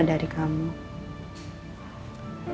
jangan lupa untuk berlangganan